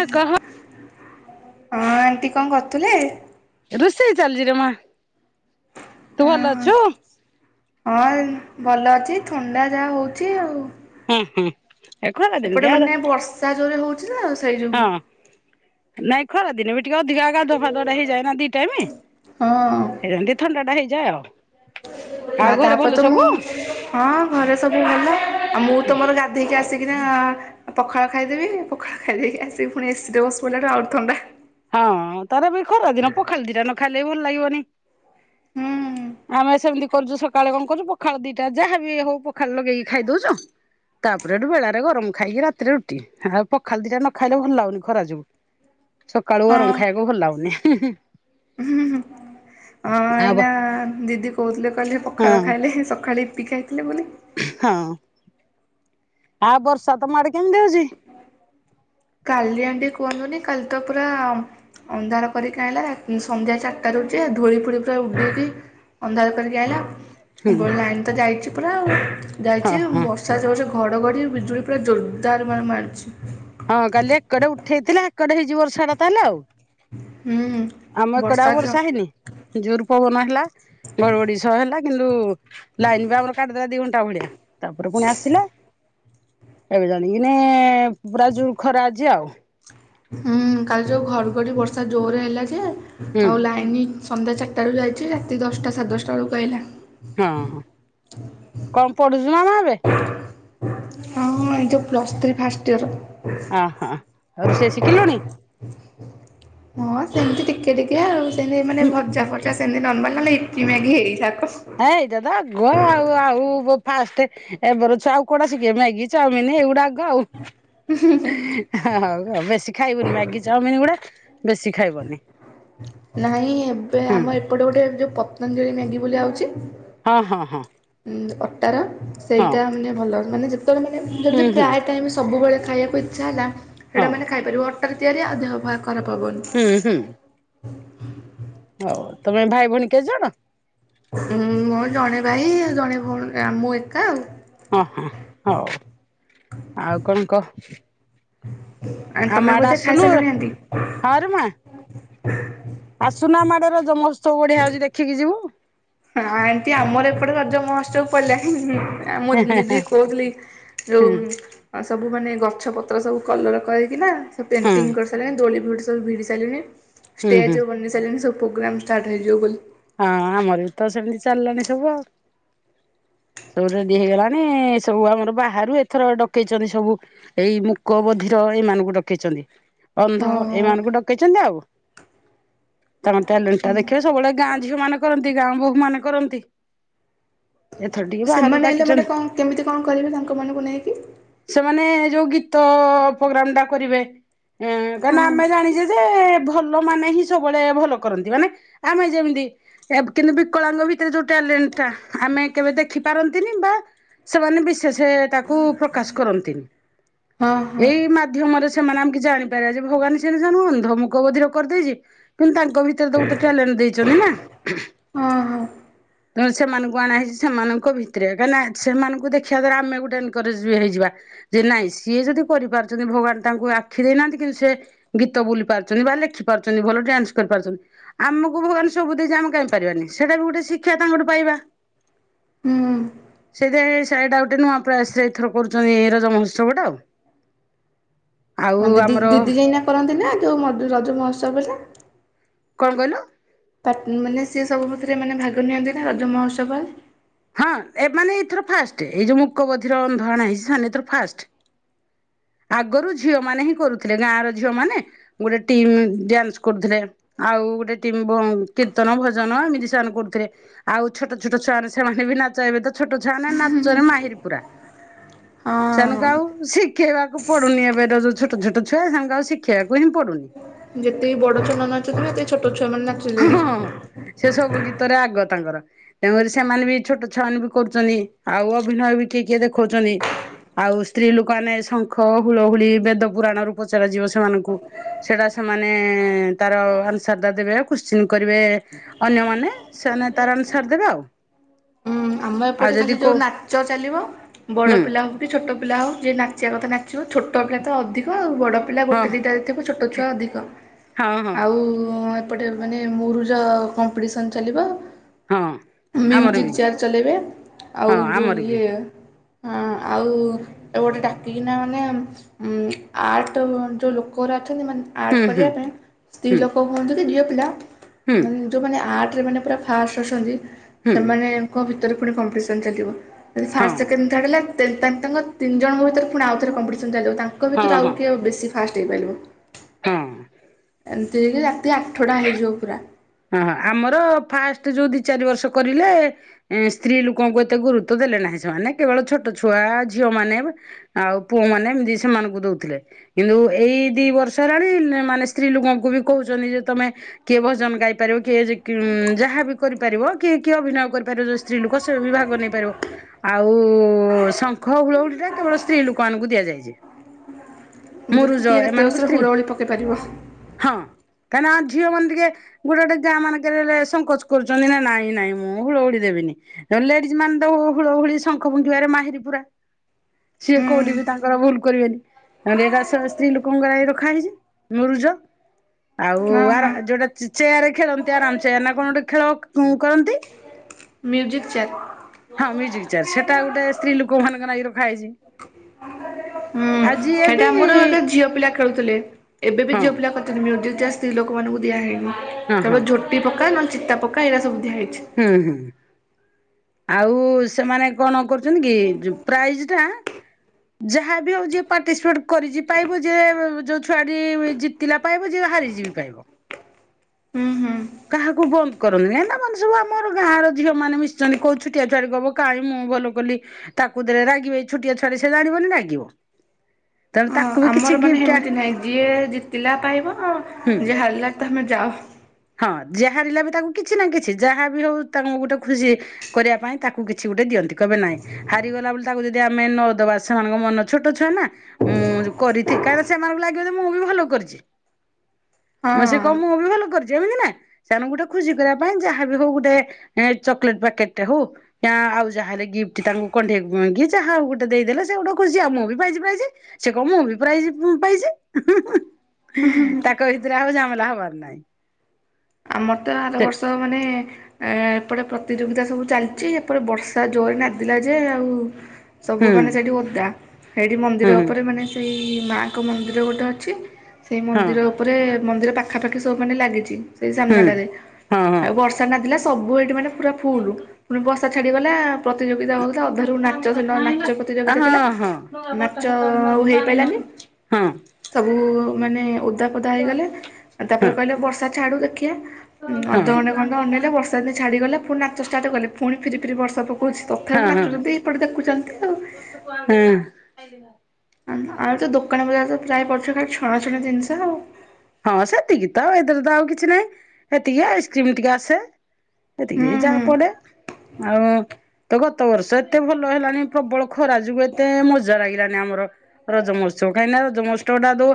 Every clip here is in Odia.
ଏ କହ। ହଁ ଆଣ୍ଟି କଣ କରୁଥିଲେ? ରୁଷେଇ ଚାଲଛିରେ ମାଁ। ତୁ ଭଲ ଅହଁ ଅଛୁ। ହଁ ଭଲ ଅଛି ଥଣ୍ଡା ଯାହା ହଉଛି ଆଉ ଉଁ ହୁଁ ଏପଟେ ମାନେ ବର୍ଷା ଜୋରେ ହଉଛି। ତ ସେଇ ହଁ ଯୋଗୁ। ନାଇଁ ଖରାଦିନ ବି ଟିକେ ଅଧିକା ଗାଧୁଆ ପାଧୁଆ ହେଇଯାଏ ହେଇଯାଏ ନା ଦି ଟାଇମ ହଁ ହେଇ ଥଣ୍ଡା ଟା ହେଇଯାଏ ଆଉ ଆଉ ନା ଘରେ ଭଲ ତାପରେ ତ ମୁଁ ସବୁ ହଁ ଘରେ ସବୁ ଭଲ ଆଉ ମୁଁ ତ ମୋର ଗାଧେଇକି ଆସିକିନା ଆଉ ପଖାଳ ଖାଇଦେବି ପଖାଳ ଖାଇଦେଇକି ଆସିକି ପୁଣି ଏସିରେ ବସିପଡ଼ିଲାଠୁ ପୁଣି ଆହୁରି ଥଣ୍ଡା। ଖାଲି ଭଲ ଲାଗିବନି। ହଁ ଆମେ ସେମିତି କରୁଛୁ ସକାଳେ କଣ କରୁଛୁ ପଖାଳ ଦିଟା ଯାହାବି ହଉ ପଖାଳ ଲଗେଇକି ଖାଇ ଦଉଛ ତାପରେ ଏଠୁ ବେଳାରେ ଗରମ ଖାଇକି ରାତିରେ ରୁଟି ଆଉ ପଖାଳ ଦିଟା ନ ଖାଇଲେ ଭଲ ଲାଗନି ଖରା ଯୋଗୁ ସକାଳୁ ଗରମ ଖଇବା ଭଲଗୁନି। ହୁଁ ହୁଁ ହୁଁ ହୁଁ ହଁ ଆଉ ଏଇନା ଦିଦି କହୁଥିଲେ କହିଲେ ପଖାଳ ହଁ ଖାଇଲେ ସକାଳେ ଇପି ଖାଇଥିଲେ ବୋଲି। ଆ ବର୍ଷା ତ ମାଡ କେମିତି ହଉଛି। କାଲି ଆଣ୍ଟି କୁହନ୍ତୁନି କାଲି ତ ପୁରା ଅନ୍ଧାର କରିକି ଆଇଲା ସନ୍ଧ୍ୟା ଚାରିଟାରୁ ଯେ ଧୂଳି ଫୁଳି ପୁରା ଉଡ଼େଇକି ଅନ୍ଧାର କରିକି ଆଇଲା ଆଉ ହୁଁ ପୂର୍ବରରୁ ଲାଇନ ତ ଯାଇଛି। ପୁରା ଆଉ ହଁ ଯାଇଛି ହଁ ବର୍ଷା ଜୋରସେ ଘଡ଼ଘଡ଼ି ବିଜୁଳି ପୁରା ଜୋରଦାର ମାରୁଛି। ହଁ କାଲି ଏକଡେ ଉଠେଇଥିଲା। ଏପଟେ ହେଇଚି ବର୍ଷା ଟା ତାହାଲେ ଆଉ ହୁଁ ଆମ ଏକଡେ ଆଉ ବର୍ଷା ହେଇନି ଜୋରେ ପବନ ହେଲା ବରବଡିଶ ହେଲା। କିନ୍ତୁ ଲାଇନ ବି ଆମର କାଟି ଦେଲା ଦି ଘଣ୍ଟା। ଚାଉଳିଆ ତାପରେ ପୁଣି ଆସିଲା ଏବେ ଯା ଯିବିନି ପୁରା ଯୋଉ ଖରା ଆଜି ଆଉ [unintelligible] ହୁଁ କାଲି ଯୋଉ ଘଡଘଡି ବର୍ଷା ଜୋରରେ ହେଲା ଯେ ହୁଁ ଆଉ ଲାଇନି ସନ୍ଧ୍ୟା ଚାରିଟାରୁ ଯାଇଛି ରାତି ଦଶଟା ସାଢ଼େ ଦଶଟା ବେଳକୁ ଆଇଲା। ହଁ କଣ ପଢ଼ୁଚୁ ମାମା ଏବେ? ହଁ ହଁ ଏଇ ଯୋଉ ପ୍ଲସ ଥ୍ରୀ ଫାଷ୍ଟ ଇୟର। ଅ ହଁ ରୋଷେଇ ଶିଖିଲୁଣି? ହଁ ସେମିତି ଟିକେ ଟିକେ ଆଉ ସେମିତି ମାନେ ଭଜା ଫଜା ସେମିତି ନର୍ମାଲ ମାନେ ଇ ପି ମ୍ୟାଗି ହେଇ ସା ହଁ ଏଇଟା ତ ଆଗ ଆଉ ଆଉ ବୋ ଫାଷ୍ଟେ ଏବେର ଛୁଆ ଆଉ କଣ ଶିଖିବେ ମ୍ୟାଗି ଚାଉମିନ ଏଇଗୁଡା। ଆଉ ହଉ ଆଉ ବେଶୀ ଖାଇବୁନି ମ୍ୟାଗି ଚାଉମିିନ ଗୁଡା। ବେଶୀ ଖାଇବନି ନାଇଁ ଏବେ ହୁଁ ଆମ ଏପଟେ ଗୋଟେ ଯୋଉ ପତଞ୍ଜଳି ମ୍ୟାଗି ବୋଲି ଆଉଚି ହଁ ହଁ ହଁ। ଉଁ ଅଟାର ହଁ ସେଇଟା ମାନେ ଭଲ। ମାନେ ଯେ ତେବେଳେ ମାନେ ହୁଁ ଯଦି ହୁଁ ପ୍ରାୟ ଟାଇମ ସବୁବେଳେ ଖାଇଆ କୁ ଇଚ୍ଛା ହେଲା ହଁ ସେଇଟା ମାନେ ଖାଇପାରିବ ଅ ଟାରେ ତିଆରି ଆଉ ଦେହ ପାହ ଖରାପ ହବନି। ହୁଁ ହୁଁ ହ ହଉ ତମେ ଭାଇ ଭଉଣୀ କେତେ ଜଣ? ଉଁ ମୋର ଜଣେ ଭାଇ ଆଉ ଜଣେ ଭଉଣୀ ଆ ମୁଁ ଏକା ଆଉ। ହଁ ହଁ ହଉ। ଆଉ କଣ କହ? ଆଉ ଆମ ତମେ ଆଡେ ବୋଧେ ଖାଇ ଆସୁନୁ ସାଇଲଣି ଆଣ୍ଟି? ହଁରେ ମା ଆସୁନୁ ଆମ ଆଡ଼େ ରଜ ମହୋତ୍ସବ ବଢିଆ ହଉଚି ଦେଖିକି ଯିବୁ। ଆଉ ଆଣ୍ଟି ଆମର ଏପଟେ ରଜ ମହୋତ୍ସବ ପଡ଼ିଲାଣି ହୁଁ ହୁଁ। ଆ ମୁଁ ହେଁ ହେଁ ଦିଦିକୁ କହୁଥିଲି ହେଁ ଯୋଉ ସବୁ ମାନେ ଗ ଛପତ୍ର ସବୁ କଲର କରିକିନା ସେ ହୁଁ ହୁଁ ପେଣ୍ଟିଂ କରିସାଇଲାଣି ଦୋଳି ବି [unintelligible] ଭିଡ଼ି ସାଇଲିଣି। ହୁଁ ହୁଁ ଷ୍ଟେଜ ବନେଇ ସାଇଲେଣି ସବୁ ପ୍ରୋଗ୍ରାମ ଷ୍ଟାର୍ଟ ହେଇଯିବ ବୋଲି। ହଁ ଆମର ବି ତ ସେମିତି ଚାଲି ଲାଣି ସବୁ ଆଉ। ସବୁ ରେଡି ହେଇଗଲାଣି ସବୁ ଆମର ବାହାରୁ ଏଥର ଡକେଇଛନ୍ତି ସବୁ ଏଇ ମୁକ ବଧିର ଏଇ ମାନଙ୍କୁ ଡକେଇଚନ୍ତି। ଅନ୍ଧ ଓହୋ। ଏମାନଙ୍କୁ ଡକେଇଚନ୍ତି ଆଉ। ତାଙ୍କ ଟ୍ୟାଲେଣ୍ଟା ଦେଖିବା ସବୁଳେ ଗାଁ ଝିଅ ମାନେ କରନ୍ତି ଗାଁ ବୋହୂ ମାନେ କରନ୍ତି ଏଥର ଟିକେ ବାହାରୁ ସେମାନେ ହେଲେ ମାନେ ଡାକିଛନ୍ତି କଣ କେମିତି କଣ କରିବେ ତାଙ୍କମାନଙ୍କୁ ନେଇକି ସେମାନେ ଯୋଉ ଗୀତ ପ୍ରୋଗ୍ରାମ ଟା କରିବେ ହୁଁ କାଁକି ହଁ ନା ଆମେ ଜାଣିଛେ ଯେ ଭଲ ମାନେ ହିଁ ସବୁବେଳେ ଭଲ କରନ୍ତି ମାନେ ଆମେ ଯେମିତି କିନ୍ତୁ ବିକଳାଙ୍ଗ ଭିତରେ ଯୋଉ ଟ୍ୟାଲେଣ୍ଟ ଟା ଆମେ କେବେ ଦେଖିପାରନ୍ତିନି ବା ସେମାନେ ବିଶେଷ ତାକୁ ପ୍ରକାଶ କରନ୍ତିନି। ହଁ ହଁ। ଏଇ ମାଧ୍ୟମରେ ସେ ସେମାନେ ଆମ କି ଜାଣିପାରିବ ଯେ ଭଗାନ ସେ ସୁ ଅନ୍ଧ ମୁକ ବବଧିରେ କରିଦେଇଛି କିନ୍ତୁ ତାଙ୍କ କବିତେ ଦ ଉ ଟ ଠା ଲେ ଦେଇଛି ଅଛନ୍ତି ନା ହଁ ହ ତେଣୁ ସେମାନଙ୍କୁ ଆଣା ହେଇଛି ସେମାନଙ୍କ ଭିତରେ କାହିଁକି ନା ସେମାନଙ୍କୁ ଦେଖିବା ଦ୍ଵାରା ଆମେ ଗୋଟେ ଏନକରେଜ ବି ହେଇଯିବା ଯେ ନାଇଁ ସିଏ ଯଦି କରିପାରୁଛନ୍ତି ଭଗବାନ ତାଙ୍କୁ ଆଖି ଦେଇନାହାନ୍ତି କିନ୍ତୁ ସେ ଗୀତ ବୁଲି ପାରୁଛନ୍ତି ବା ଲେଖି ପାରୁଛନ୍ତି ଭଲ ଡ୍ୟାନ୍ସ କରିପାରୁଛନ୍ତି ଆମକୁ ଭଗବାନ ସବୁ ଦେଇ ଆମେ କାଇହିଁ ପାରିବାନି ସେଇଟା ବି ଗୋଟେ ଶିକ୍ଷା ତାଙ୍କଠୁ ପାଇବା- ହୁଁ ସେଇଟା ସାଟା ଗୋଟେ ନୁଆ ପ୍ରା ଆସଥର କରୁଛନ୍ତି ରଜ ମହୋତ୍ସବଟା ଆଉ ହଁ ଆଉ ଦିଦି ଆମର ଦିଦି ଯାଇନା କରନ୍ତି ନା ଯୋଉ ରଜ ମହୋତ୍ସବ ନା କଣ କହିଲୁ? ମାନେ ସିଏ ସବୁ ମଥରେ ମାନେ ଭାଗ ନିଅନ୍ତି ନା ରଜ ମହୋତ୍ସବ ହଁ ଏ ମାନେ ଏଇଥର ଫାଷ୍ଟ ଏଇ ଯୋଉ ମୁକବଧିର ଅନ୍ଧାରଣ ହେଇଛି ସେମାନେ ଏଥର ଫାଷ୍ଟ ଆଗରୁ ଝିଅ ମମାନୋନେ ହିଁ କରୁଥିଲେ ଗାଁର ଝିଅ ମାନେ ଗୋଟେ ଟିମ ଡ୍ୟାନ୍ସ କରୁଥିଲେ ଆଉ ଗୋଟେ ଟି କୀର୍ତ୍ତନ ଭଜନ ଏମିତି ସ କରୁଥିଲେ ଆଉ ଛୋଟ ଛୋଟ ଛୁଆ ମାନ ସେମାନେ ବି ନାଚ ହେବେ ତ ଛୋଟ ଛୁଆ ମାନ ନାଚରେ ମାହିର ପୁରା ସେନକୁ ହଁ। ଆଉ ଶିଖ ଖେ ତା ପଡୁି ଏବେ ଯୋଉ ଛୋଟ ଛଟ ଛୁଆ ସାଙ୍ଗ ଆଉ ଶିଖିବାକୁ ହିଁ ପଡୁନି ଯେତେ ବଡ ଚନ୍ଦନା ଅଛନ୍ତି ଏତେ ଛଟ ହଁ ସେ ସବୁ ଗୀତରେ ଆଗତ ତାଙ୍କର ତେଣୁକରି ସେମାନେ ବି ଛୋଟ ଛୁଆମାନେ ବି କରୁଛନ୍ତି ଆଉ ଅଭିନୟ ବି କିଏ କିଏ ଦେଖଉଛନ୍ତି ଆଉ ସ୍ତ୍ରୀ ଲୋକମାନେେ ଶଙ୍ଖ ହୁଳ ହୁଳି ବେଦ ପୁରାଣ ର ପଚାର ଯିବ ସେମାନଙ୍କୁ ସେଟା ସେମାନେ ତାର ଆନ୍ସରଟା ଦେବେ କଶ୍ଚି କରିବେ ଅନ୍ୟମାନେ ସେମାନେ ତାର ଆସାର ଦେବେ ଆଉ ଆମ ଆଉ ଏପଟେ ଯଦି ଖାଲି ଯୋଉ କୋଉ ନାଚ ଚାଲିବ ବଡ ହୁଁ ପିଲା ହଉ କି ଛୋଟ ପିଲା ହଉ ଯିଏ ନାଚିବା କଥା ନାଚିବ ଛୋଟ ପିଲା ତ ଅଧିକ ଆଉ ବଡ଼ ପିଲା ହଁ ଗୋଟେ ଦୁଇଟାାରେ ଥିବୁ ଛୋଟ ଛୁଆ ଅଧିକ ହଁ ହଁ ଆଉ ଏପଟେ ମାନେ ମୁରୁଜ କମ୍ପିଟିସନ୍ ଚାଲିବ ହଁ ଆମର ମ୍ୟୁଜିକ୍ ବି ଚେୟାର ଚଲେଇବେ ଆଉ ହଁ ଯେଉଁ ଆମର ବି ଇଏ ହଁ ଆଉ ଗୋଟେ ଡାକିକିନା ମାନେ ଉ ଆର୍ଟ ଯୋଉ ଲୋକର ମାନେ ଆର୍ଟ ହୁଁ ହୁଁ କରିବା ପାଇଁ ସ୍ତ୍ରୀ ହୁଁ ଲୋକ ହୁଅନ୍ତି ଗୋଟେ ଝିଅପିଲା ହୁଁ ମାନେ ଯୋଉମାନେନେ ଆର୍ ସେମାନେ ପୁରା ଫାଷ୍ଟ ଅଛନ୍ତି। ହୁଁ ସେମାନେଉଁ ଭିତରେ ପୁଣି କମ୍ପିଟିସନ ଚାଲିବ। ଫାଷ୍ଟ ହଁ ସେକେଣ୍ଡ ଥାଡ ହେଲା ତା ତିନି ଜଣଙ୍କ ଭିତରେ ପୁଣି ଆଉଥରେ କମ୍ପଟିସନ। ତାଙ୍କ ଭିତରୁ ହଁ ଆଉ ହଁ କିଏ ବେଶି। ଫାଷ୍ଟ ହେଇପାରିବ। ହଁ ଏମିତି ହେଇକି ରାତି ଆଠଟା ହେଇଯିବ ପୁରା। ଓହ ଆମର ଫାଷ୍ଟ ଯୋଉ ଦି ଚାରି ବର୍ଷ କରିଲେ ଏ ସ୍ତ୍ରୀ ଲୋକଙ୍କୁ ଏତେ ଗୁରୁତ୍ୱ ଦେଲେ ନାହିଁ ସେମାନେ କେବଳ ଛୋଟ ଛୁଆ ଝିଅ ମାନେ ଆଉ ପୁଅ ମାନ ଏମତି ସେମାନଙ୍କୁ ଦଉଥିଲେ କିନ୍ତୁ ଏଇ ଦି ବର୍ଷ ହେଲାଣି ମାନେ ସ୍ତ୍ରୀ ଲୋକଙ୍କୁ ବି କହୁଛନ୍ତି ଯେ ତମେ କିଏ ଭଜନ ଗାଇ କିଏ ଯାହା ବି କରିପାରିବ କିଏ କିଏ ଅଭିନୟ କରିପାରିବ ଯ ସ୍ତ୍ରୀ ଲୋକ ସେ ବି ଭାଗ ନେଇପାରିବ ଆଉ ଶଙ୍ଖ ହୁଳହୁଳି ଟା କେବଳ ସ୍ତ୍ରୀ ଲୋକମାନଙ୍କୁ ଦିଆଯାଇଛି। କିଏ ମୁରୁଜ କେତେ ଏମାନଙ୍କୁ ବର୍ଷରେ ସ୍ତ୍ରୀ ହୁଳ ହଳି ପକାଇ ପାରିବ। କାନା ଝିଅମାନେ ଟିକେ ଗୋଟେ ଗୋଟେ ଗାଁ ମାନଙ୍କରେ ସଙ୍କୋଚ କରୁଛନ୍ତି ନା ନାଇଁ ନାଇଁ ମୁଁ ହୁଳହୁଳି ଦେବିନି ଲେଡିଜ ମାନେ ତ ହୁଳ ହଳି ଶଙ୍ଖ ପୁଙ୍କିବାରେ ମାହିରି ପୁରା ସିଏ କୋଉଠି ବି ତାଙ୍କର ଭୁଲ କରିବେନିଟ ସ୍ତ୍ରୀ ଲୋକଙ୍କର ରଖା ହେଇଛି ମରୁଜ ଆଉ ହଁ ଆ ହଁ। ଯୋଉଟା। ଚେୟାରରେ ଖେଳନ୍ତି ଆରାମ ଚେୟାର ନା କଣ ଗୋଟେ ଖେଳ କରନ୍ତି। Music chair. ହଁ ମ୍ୟୁଜିକ ଚେୟାର ସେଟା ଗୋଟେ ସ୍ତ୍ରୀ ଲୋକ ମାନଙ୍କ ନାଗି। ଖାଇଛି। ହୁଁ ସେଟା ବି ଆମର ଏକ ଝିଅ ପିଲା ଖେଳୁଥିଲେ ଏବେ ବି ହଁ ଝିଅ ପିଲା [inaudible] ଜଷ୍ଟ ଲୋକମାନମାନଂକୁ ଦିଆହେଇନି। ହଁ ହଁ କେବଳ ଝୋଟି ପକାଏ ନ ଚିତା ପକା ଏରା ସବୁ ଦିଆହେଇଛି। ହୁଁ ହୁଁ ଆଉ ସେମାନେ କଣ କରୁଛନ୍ତି କି ପ୍ରାଇଜ ଟା ଯାହାବ ଆଉ ଯ ପାର୍ଟିସିପେଟ କରିବ ଯ ଯୋଉ ଛୁଆଡି ଜିତିଲା ପାଇବ ଯ ହାରିଯିବ ପାଇବ ହୁଁ ହୁଁ କାହାକୁ ବନ୍ଦ କରନ୍ତିନି ହେନା ସବୁ ଆମର ଗାଁର ଝିଅ ମାନ ମିଶଛନ୍ତି କୋଉ ଛୋଟିଆ ଛୁଆଡି କବ କାହିଁ ମୁଁ ଭଲ କଲି ତାକୁ ଦେରେ ରାଗିବେ ଏଇ ଛୋଟିଆ ଛୁଆଡି ସେ ଜାଣିବନି ରାଗିବ। ତେଣୁ ହଁ ତାକୁ ବି କିଛି ଆମର ମାନେ ଗିଫ୍ଟ ସେମିତି ନାହିଁ ଯିଏ ଜିତିଲା ପାଇବ ହୁଁ ଯିଏ ହାରିଲା। ତମେ ଯାଅ। ହଁ ଯ ହାରିଲା ବି ତାକୁ କିଛି ନା କିଛି ଯାହା ବିି ହଉ ତାଙ୍କୁ ଗୋଟେ ଖୁସି କରିବା ପାଇଁ ତାକୁ କିଛି ଗୋଟେ ଦିଅନ୍ତି କହିବେ ନାାଇଁ ହାରିଗଲା ବୋଲି ତାକୁ ଯଦି ଆମେ ନଦବା ସେମାନଙ୍କ ମନ ଛୋଟ ଛୁଆ ନା ମୁଁଉ କରିଥିଲି କାଁକିନା ସେମାନଙ୍କୁ ଲାଗିବ ଯେ ମୁଁ ବି ଭଲ କରିଛି। ମ ସେ କ ହଁ। ମୁଁ ବି ଭଲ କରିଛିି। ଯେମିତି ନା ସେମାନଙ୍କୁ ଗୋଟେ ଖୁସି କରିବା ପାଇଁ ଯାହାବ ହଉ ଗୋଟେ ଚକୋଲେଟକେଟରେ ହଉ ଆଉ ଯାହାହଲେ ଗି୍ଟ ତାଙ୍କୁ କଣ୍ଢେଇ ଯାହାଉ ଗୋଟେ ଦେଇଦେଲେ ସେ ଗୋଟ ଖୁସି ଆଉ ମୁଁ ବି ପାଇ କ ମୁଁ ବି ପାଇଛି ତାଙ୍କ ଭିତରେ ଆଉ ଜାମଲା ହବାର ନାାଇଁ ଆମର ତ ଆରବର୍ଷ ମାନେ ଏ ଏପଟେ ପ୍ରତିଯୋଗିତା ସବୁ ଚାଲିଛି ଏପଟେ ବର୍ଷା ଜୋରେ ନାଦିଲା ଯେ ଆଉ ସବୁ ହୁଁ ମାନେ ସେଠି ଓଦା ସେଇଠି ମନ୍ଦିର ହୁଁ ଉପରେ ମାନେ ସେଇ ମାଆଙ୍କ ମନ୍ଦିର ଗୋଟେ ଅଛି, ସେଇ ହଁ ମନ୍ଦିର ଉପରେ ମନ୍ଦିର ପାଖ ପାଖାପାଖି ସବୁ ମାନେ ଲାଗିଛି, ସେଇ ହୁଁ ସାମ୍ନାଟରେ ହଁ ହଁ ଆଉ ବର୍ଷା ନଥିଲା ସବୁ ଏଠି ମାନେ ପୁରା ଫୁଲ୍ ପୁଣି ବର୍ଷା ଛାଡ଼ିଗଲା ପ୍ରତିଯୋଗିତା ହେଉଥିଲା ଅଧାରୁ ନାଚ ନାଚ ପ୍ରତିଯୋଗିତା ହଁ ଥିଲା ହଁ ହଁ ନାଚ ଆଉ ହଁ ହେଇପାରିଲାନି ସବୁ ମାନେ ପଦାପଦା ହେଇଗଲେ ତାପରେ କହିଲେ ବର୍ଷା ଛାଡୁ କେତେ ଓ୍େ [inaudible] ଉ ଅଧଘଣ୍େ ଖଣ୍ଡ ଅ ଅନେଇଲେ ବର୍ଷା ଦିନ ଛାଡିଗଲେ ପୁଣି ନାଚଷ୍ଟାଟ ଗଲେ ପୁଣି ଫି ଫିରି ବର୍ଷା [inaudible] କହୁଛି ତଥାପି ହଁ ହଁ ନାଚୁ ଏଇପଟେ ଦେଖୁଛନ୍ତି ଆଉ ହଁ ଆମ ତ ଦୋକାନ ବଜାର ତ ପ୍ରାୟ ପଛ ଖାଲି ଛଣାଛଣା ଜିନିଷ ଆଉ ହଁ ସେତିକି ତ ଆଉ ଏର ତ ଆଉ କିଛି ନହିଁ ଏତିକି ଆଇସ୍କ୍ରିମ ଟିକେ ଆସେ ହୁଁ ଏତିକି ହୁଁ ଯାପଡେ ଆଉ ତ ଗତ ବର୍ଷ ଏତେ ଭଲ ହେଲାନ ପ୍ରବଳ ଖରା ଯୋଗୁ ଏତେ ମଜା ଲାଗିଲାନି ଆମର ରଜ ମହୋତ୍ସବ କାହିଁକି ନା ରଜ ମହୋତ୍ସବଟା ଯଉ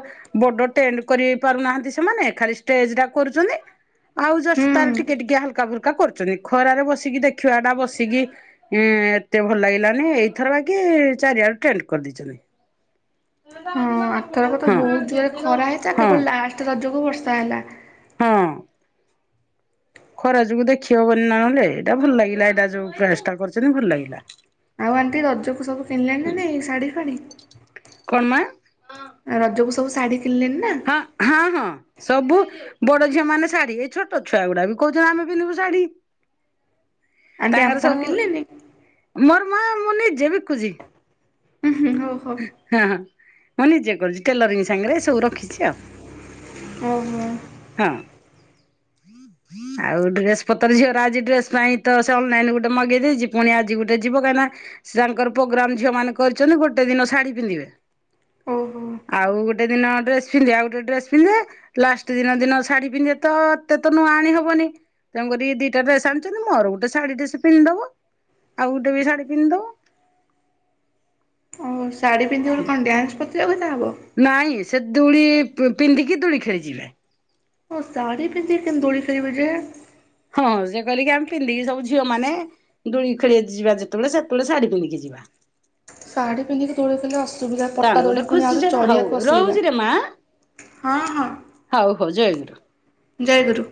ବଡ ଟେଣ୍ଟ କରି ନାହାନ୍ତି ସେମାନେ ଖାଲି ଷ୍ଟେଜ ଟା କରୁଛନ୍ତି ଆଉ ତାର ହୁଁ। ଟିକେ ଟିକେ ହାଲକା ଫୁଲକା କରୁଛନ୍ତି ଖରାରେ ବସିକି ଦେଖିବା ଟା ବସିକି ଏତେ ଭଲ ଲାଗିଲାନି ଏଇଥର ବାକ ଚାରିଆଡୁ ଟେଣ୍ଡ କରିଦେଇଛନ୍ତି। ହଁ ଆଥରକ ତ ବହୁତ ଜୋରରେ ହଁ ଖରା ହେଇଥିଲା ହଁ କେବଳ ଲାଷ୍ଟ ରଜକୁ ବର୍ଷା ହେଲା ହଁ ଖରା ଯୋଗୁ ଦେଖି ହବନି ନହେଲେ ଏଇଟା ଭଲ ଲାଗିଲା ଏଇଟା ଯୋଉ ଚେଷ୍ଟା କରୁଛନ୍ତି ଭଲ ଲାଗିଲା ଆଉ ଆଣ୍ଟି ରଜକୁ ସବୁ କିଣିଲାଣି ନାାଇଁ ଶାଢ଼ୀ ଫାଣି କଣମା ରଜକୁ ସବୁ ଶାଢୀ ହଁ ହଁ ହଁ ସବୁ ବଡ ଝିଅ ମାନେ ଶାଢୀ ଏଇ ଛୋଟ ଛୁଆ ଗୁଡା ବି କହୁଛନ୍ତି ଆମେ ପିନ୍ଧିବୁ ଶାଢୀ ଆଣ୍ଟି ତାଙ୍କର ଆପଣ ସବୁ କିଣିଲେନି? ମୋର ମା ମୁଁ ନିଜେ ବିକୁଛି, ହୁଁ ହୁଁ ହଉ ହଉ ହଁ ମଁନେଜେ କରୁଛି, ଟେଲରିଂ ସାଙ୍ଗରେ ଏ ସବୁ ରଖିଛି ଆଉ ଓହୋ। ହଁ ଆଉ ଡ୍ରେସ ପତ୍ର ଝିଅଟ ଆଜି ଡ୍ରେସ ପାଇଁ ଅନଲାଇ ଗଟେ ମଗେଇଦଛି ପୁଣି ଆଜି ଗୋଟେ ଯିବ କାହିଁନା ସେ ତାଙ୍କର ପ୍ରୋଗ୍ରାମ ଝିଅ ମାନ କରିଛନ୍ତି ଗୋଟେ ଦିନ ଶାଢୀ ପିନ୍ଧିବେ ଓହୋ ଆଉ ଗୋଟେ ଦିନ ଡ ପିଧେଉ ଗୋଟେ ଡେ ପିନ୍ଧେ ଲଷ୍ଟ ପ୍ରେ ଦିନ ଦିନ ଶାଢୀ ପିନ୍ଧିବେ ତ ଏତେ ତ ନୂଆ ଆଣି ହବନି ତେଣୁ କରିରି ଦିଟା ଡ୍ରେସ ଆଣିଛନ୍ତି ମୋର ଗୋଟେ ଶାଢୀ ଡେସ ପିନ୍ଧିଦବ ଆଉ ଗୋଟେ ବି ଶାଢୀ ପିନ୍ଧିଦବ ଶାଢୀ ପନ୍ଧିବ କଣ ୍ୟାନ୍ସ ନାଇଁ ସେ ଦୋଳି ପିନ୍ଧିକି ଦୋଳି ଖେଳିଯିବେ। ଓ ସାଢି ପନ୍ଧିକି କେମ ଦୋଳି ବି ଯେ? ହଁ ସେ କହିଲେକି ଆମେ ପିନ୍ଧିକି ସବୁ ଝିଅ ମାନେ ଦୋଳି ଖେଳି ଯିବା ଯେତେବେଳେ ସେତେବେଳେ ଶାଢୀ ପିନ୍ଧିକି ଯିବା। ଶାଢୀ ପିନ୍ଧିକି ଦୋଳି ଖେଳିଲେ। ଅସୁବିଧା ତାଣ ପଟା ଗୋଟେ ଦୋଳି ପୁଣି ଖୁସି ଆହୁରି ଛଡା ହଉ ଚଢ଼ିବାକୁ ଅସୁବିଧା। ରହୁଚିରେ ମା ହଉ ହଉ ଜୟେ ଗୁରୁ। ଜୟ ଗୁରୁ।